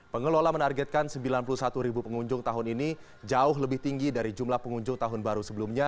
pengelola menargetkan sembilan puluh satu ribu pengunjung tahun ini jauh lebih tinggi dari jumlah pengunjung tahun baru sebelumnya